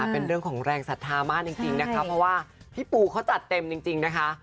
เป็นเรื่องของแรงศรัทธามากจริงนะคะเพราะว่าพี่ปูเขาจัดเต็มจริงนะคะ